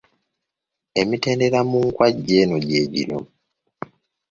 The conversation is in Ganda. Emitendera mu nkwajja eno gye gino.